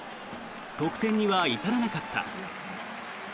得点には至らなかった。